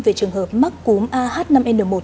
về trường hợp mắc cúm ah năm n một